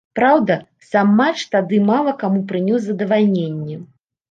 Праўда, сам матч тады мала каму прынёс задавальненне.